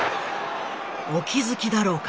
お気付きだろうか？